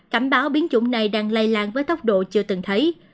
cảnh báo biến chủng này đang lây lan với tốc độ chưa từng thấy